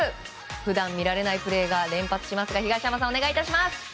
普段見られないプレーが連発しますが東山さん、お願いいたします！